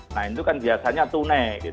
nah itu kan biasanya tunai